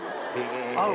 合う？